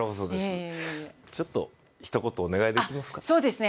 ちょっとひと言お願いできますか？